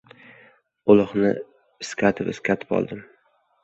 Uloqni iskatib-iskatib oldim.